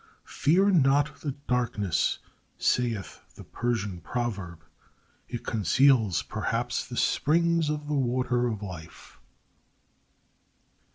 "Fear not the darkness," saith the Persian proverb; "it conceals perhaps the springs of the water of life."